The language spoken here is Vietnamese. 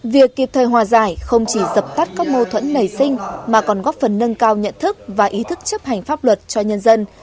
việc kịp thời hòa giải không chỉ dập tắt các mâu thuẫn nảy sinh mà còn góp phần nâng cao nhận thức và ý thức chấp hành pháp luật cho nhân dân